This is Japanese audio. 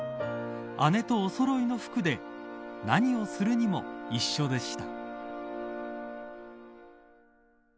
姉とおそろいの服で何をするにも一緒でした。